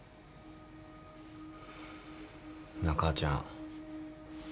なあ母ちゃん。